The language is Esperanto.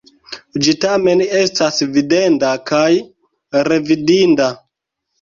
Ĝi tamen estas videnda kaj revidinda.